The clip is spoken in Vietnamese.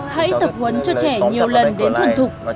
hãy tập huấn cho trẻ nhiều lần đến thuần thục